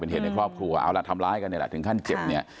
เหตุในครอบครัวเอาล่ะทำร้ายกันเนี่ยแหละถึงขั้นเจ็บเนี่ย